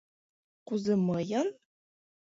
Кузе мыйын?